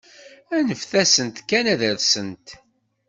Anef-sent kan ad rsent.